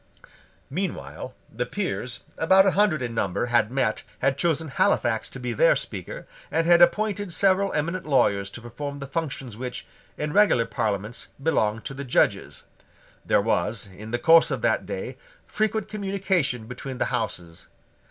Meanwhile the Peers, about a hundred in number, had met, had chosen Halifax to be their Speaker, and had appointed several eminent lawyers to perform the functions which, in regular Parliaments, belong to the judges. There was, in the course of that day, frequent communication between the Houses.